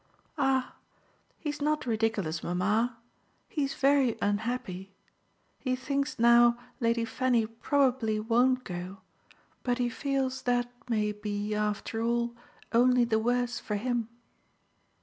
"Ah he's not ridiculous, mamma he's very unhappy. He thinks now Lady Fanny probably won't go, but he feels that may be after all only the worse for him."